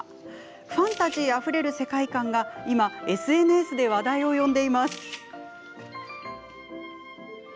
ファンタジーあふれる世界観が今、ＳＮＳで話題を呼んでいます。